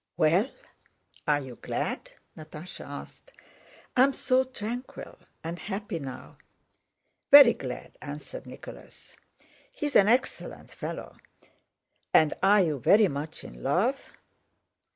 "Well, are you glad?" Natásha asked. "I am so tranquil and happy now." "Very glad," answered Nicholas. "He is an excellent fellow.... And are you very much in love?"